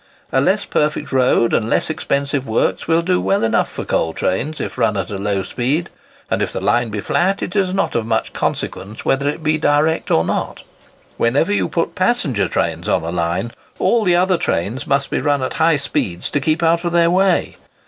A less perfect road and less expensive works will do well enough for coal trains, if run at a low speed; and if the line be flat, it is not of much consequence whether it be direct or not. Whenever you put passenger trains on a line, all the other trains must be run at high speeds to keep out of their way.